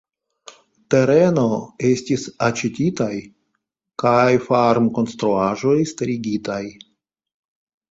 Tereno estis aĉetitaj kaj farmkonstruaĵoj starigitaj.